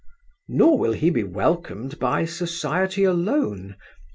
'Nor will he be welcomed by society alone.